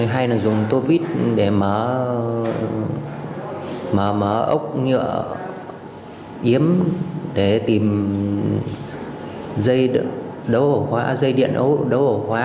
hay là dùng tô vít để mở ốc nhựa yếm để tìm dây điện đấu hổ hóa